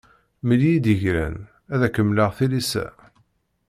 Mmel-iyi-d igran, ad ak-mmleɣ tilisa.